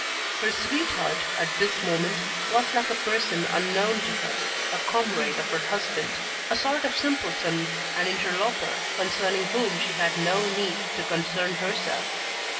Her sweetheart, at this moment, was like a person unknown to her, a comrade of her husband, a sort of simpleton and interloper concerning whom she had no need to concern herself.